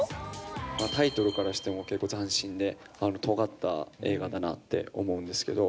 タイトルからしても結構、斬新で、とがった映画だなって思うんですけど。